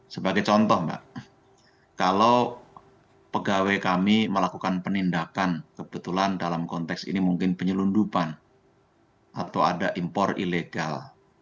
sebagai contoh mbak kalau pegawai kami melakukan penindakan kebetulan dalam konteks ini mungkin penyelundupan atau ada impor ilegal